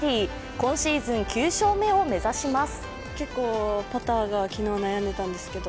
今シーズン９勝目を目指します。